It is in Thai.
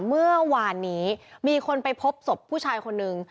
เมื่อวานนี้มีคนไปพบศพผู้ชายคนนึง